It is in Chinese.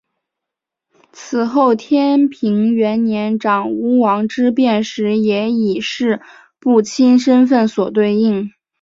此后天平元年长屋王之变时也以式部卿身份所对应。